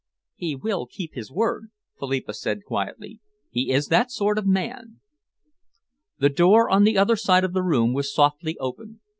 "He will keep his word," Philippa said quietly. "He is that sort of man." The door on the other side of the room was softly opened.